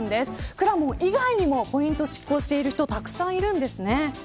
くらもん以外にもポイント失効してる人たくさんいるんですね。